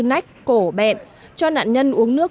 nách cổ bẹn cho nạn nhân uống nước